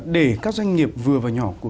để các doanh nghiệp vừa và nhỏ của